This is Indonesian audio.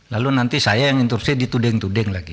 lalu nanti saya yang instruksi dituding tuding lagi